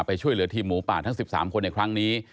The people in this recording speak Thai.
ช่วยเหลือทีมหมูป่าทั้ง๑๓คนในครั้งนี้